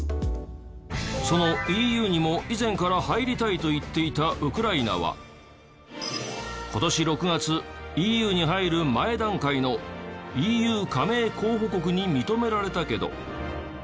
そのＥＵにも以前から入りたいと言っていたウクライナは今年６月ＥＵに入る前段階のＥＵ加盟候補国に認められたけど。